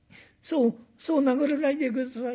そう殴らないで下さい。